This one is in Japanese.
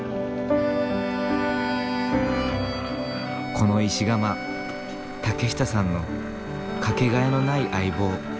この石窯竹下さんの掛けがえのない相棒。